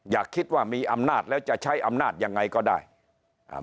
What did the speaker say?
อย่าคิดว่ามีอำนาจแล้วจะใช้อำนาจยังไงก็ได้อ่า